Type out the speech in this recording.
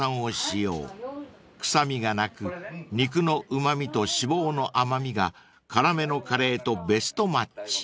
［臭みがなく肉のうま味と脂肪の甘味が辛めのカレーとベストマッチ］